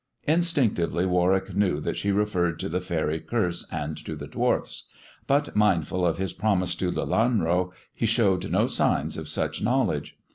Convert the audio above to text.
Instinctively "Warwick knew that she referred to the faery curse and to the dwarfs ; but mindful of his promise to Lelanro, he showed no signs of such knowledge.